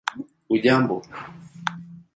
hujambo